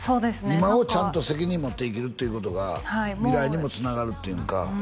今をちゃんと責任持って生きるっていうことが未来にもつながるっていうか